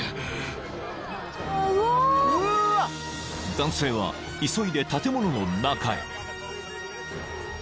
［男性は急いで建物の中へ］